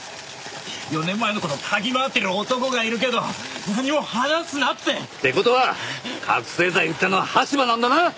４年前の事を嗅ぎ回ってる男がいるけど何も話すなって。って事は覚醒剤を売ったのは羽柴なんだな！？